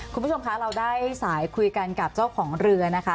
คุณผู้ชมคะเราได้สายคุยกันกับเจ้าของเรือนะคะ